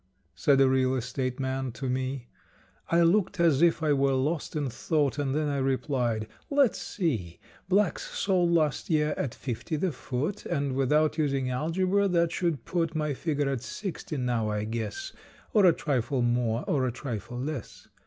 Said a real estate man to me. I looked as if I were lost in thought And then I replied: "Let's see; Black's sold last year at fifty the foot And without using algebra that should put My figure at sixty now, I guess, Or a trifle more, or a trifle less."